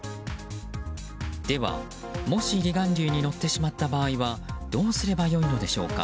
では、もし離岸流に乗ってしまった場合はどうすればよいのでしょうか。